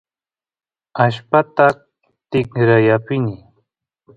allpata tikray apini